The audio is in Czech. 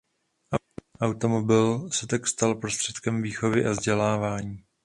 Automobil se tak stal prostředkem výchovy a vzdělávání.